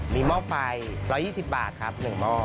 มีหม้อไฟ๑๒๐บาทครับ๑หม้อ